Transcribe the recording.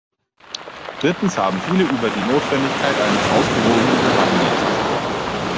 Drittens haben viele über die Notwendigkeit eines ausgewogenen Herangehens gesprochen.